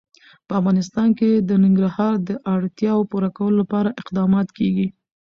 په افغانستان کې د ننګرهار د اړتیاوو پوره کولو لپاره اقدامات کېږي.